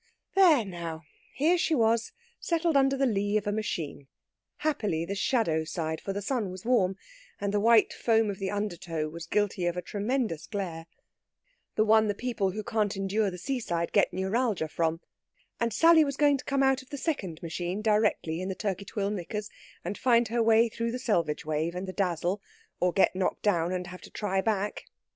There now! Here she was settled under the lee of a machine happily the shadow side, for the sun was warm and the white foam of the undertow was guilty of a tremendous glare the one the people who can't endure the seaside get neuralgia from and Sally was going to come out of the second machine directly in the Turkey twill knickers, and find her way through the selvage wave and the dazzle, or get knocked down and have to try back.